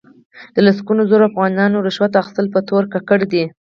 د لسګونو زرو افغانیو رشوت اخستلو په تور ککړ دي.